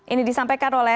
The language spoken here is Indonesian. ini disampaikan oleh